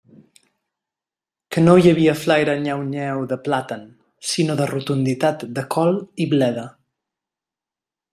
Que no hi havia flaire nyeu-nyeu de plàtan, sinó de rotunditat de col i bleda.